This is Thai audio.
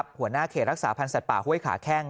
หัวหน้าเขตรักษาพันธ์สัตว์ป่าห้วยขาแข้ง